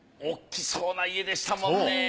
おっきそうな家でしたもんね。